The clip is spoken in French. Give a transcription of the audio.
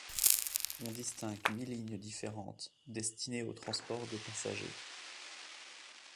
On distingue huit lignes différentes destinées au transport de passagers.